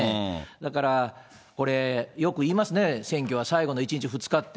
だから、これ、よく言いますね、選挙は最後の１日、２日って。